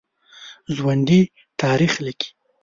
ژوندي تاریخ لیکي